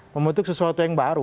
membentuk sesuatu yang baru